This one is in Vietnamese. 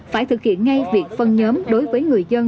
phải thực hiện ngay việc phân nhóm đối với người dân